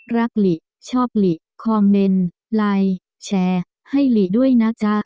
รักหลิชอบหลิคอมเมนไลค์แชร์ให้หลิด้วยนะจ๊ะ